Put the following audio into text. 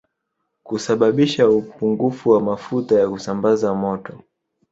Kusababisha upungufu wa mafuta ya kusambaza moto